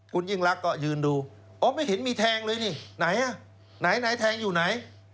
คุณยิ่งรักก็ยืนดูอ๋อไม่เห็นมีแทงเลยนี่ไหนอ่ะไหนไหนแทงอยู่ไหน